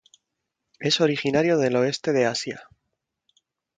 Es originario del oeste de Asia.